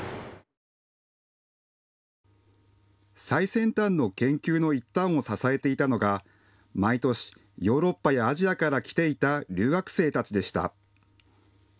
最先端の研究の一端を支えていたのが毎年、ヨーロッパやアジアから来ていた留学生たちでした。